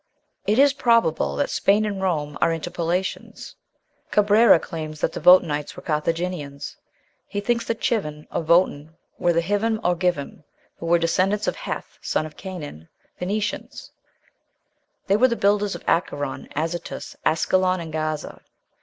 It is probable that Spain and Rome are interpolations. Cabrera claims that the Votanites were Carthaginians. He thinks the Chivim of Votan were the Hivim, or Givim, who were descended of Heth, son of Canaan, Phoenicians; they were the builders of Accaron, Azotus, Ascalon, and Gaza.